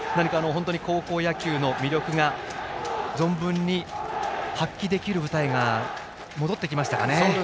高校野球の魅力が存分に発揮できる舞台が戻ってきましたね。